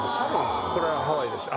これはハワイでした。